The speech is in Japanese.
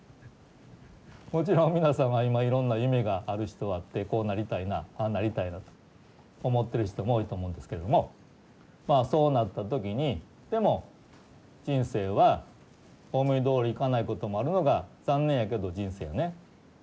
もちろん皆様は今いろんな夢がある人はあってこうなりたいなああなりたいなと思ってる人も多いと思うんですけれどもまあそうなった時にでも人生は思いどおりいかないこともあるのが残念やけど人生やね。